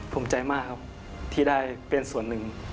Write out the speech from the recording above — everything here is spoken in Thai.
ภูมิใจมากครับที่ได้เป็นส่วนหนึ่ง